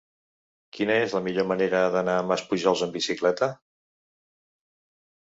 Quina és la millor manera d'anar a Maspujols amb bicicleta?